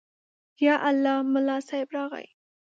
_يالله، ملا صيب راغی.